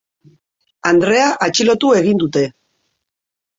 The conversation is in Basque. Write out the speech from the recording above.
Andrea atxilotu egin dute.